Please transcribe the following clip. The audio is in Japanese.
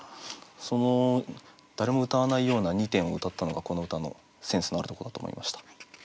その誰もうたわないような２点をうたったのがこの歌のセンスのあるとこだと思いました。